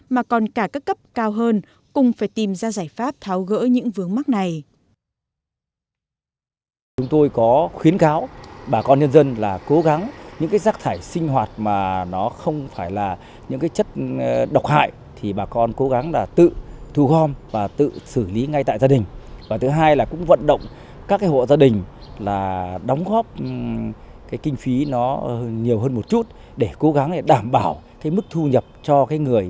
mà còn cả các cấp cao hơn cùng phải tìm ra giải pháp tháo gỡ những vướng mắt này